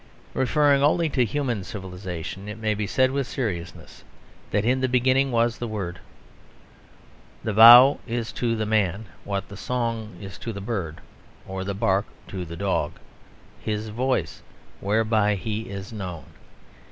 Referring only to human civilisation it may be said with seriousness, that in the beginning was the Word. The vow is to the man what the song is to the bird, or the bark to the dog; his voice, whereby he is known.